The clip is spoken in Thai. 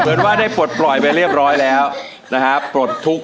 เหมือนว่าได้ปลดปล่อยไปเรียบร้อยแล้วนะครับปลดทุกข์